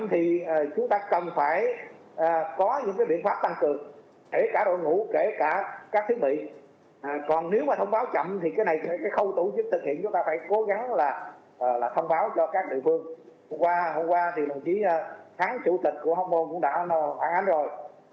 hôm qua đồng chí kháng chủ tịch của hồng môn cũng đã hoảng ánh rồi